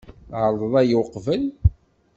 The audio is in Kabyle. Tɛerḍeḍ aya uqbel?